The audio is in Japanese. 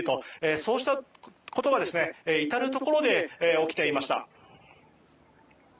そうしたことが至るところで起きていました。